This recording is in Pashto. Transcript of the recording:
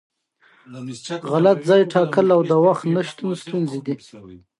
غلط ځای ټاکل او د وخت نشتون ستونزې دي.